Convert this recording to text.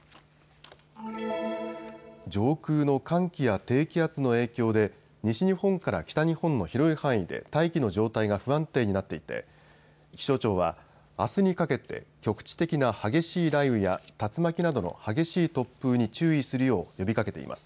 上空の寒気や低気圧の影響で西日本から北日本の広い範囲で大気の状態が不安定になっていて気象庁は、あすにかけて局地的な激しい雷雨や竜巻などの激しい突風に注意するよう呼びかけています。